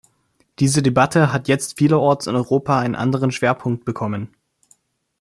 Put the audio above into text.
Diese Debatte hat jetzt vielerorts in Europa einen anderen Schwerpunkt bekommen.